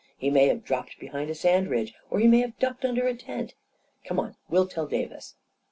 " He may have dropped behind a sand ridge — or he may have ducked under the tent. Come on — we'll tell Davis."